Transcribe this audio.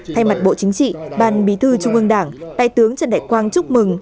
thay mặt bộ chính trị ban bí thư trung ương đảng đại tướng trần đại quang chúc mừng